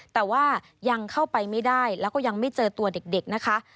แต่ว่ายังเข้าไปไม่ได้แล้วก็ยังไม่เจอตัวเด็กนะคะ